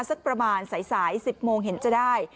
สักประมาณสาย๑๐โมงเห็นจะได้